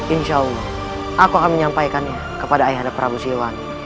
insya allah aku akan menyampaikannya kepada ayah dan prabu siwani